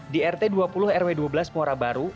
di rt dua puluh rw dua belas muara baru